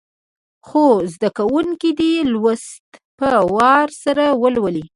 څو زده کوونکي دي لوست په وار سره ولولي.